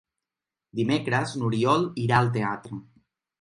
Dimecres n'Oriol irà al teatre.